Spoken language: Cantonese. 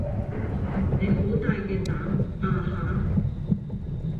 你好大嘅膽呀吓